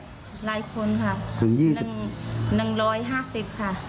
หลายคนค่ะถึงยี่สิบหนึ่งร้อยห้าสิบค่ะ